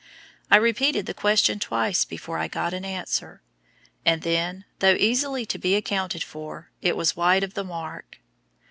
I repeated the question twice before I got an answer, and then, though easily to be accounted for, it was wide of the mark.